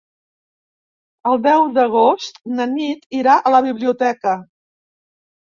El deu d'agost na Nit irà a la biblioteca.